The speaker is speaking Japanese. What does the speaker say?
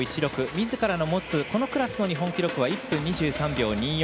みずからの持つこのクラスの日本記録は１分２３秒２４。